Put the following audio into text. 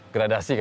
gradasi kan ya